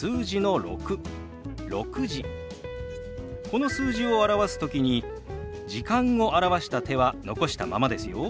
この数字を表す時に「時間」を表した手は残したままですよ。